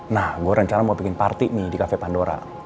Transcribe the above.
nah gue rencana mau bikin party nih di cafe pandora